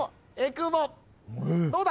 どうだ？